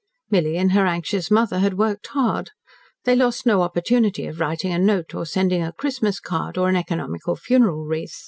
Milly and her anxious mother had worked hard. They lost no opportunity of writing a note, or sending a Christmas card, or an economical funeral wreath.